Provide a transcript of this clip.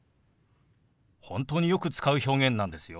本当によく使う表現なんですよ。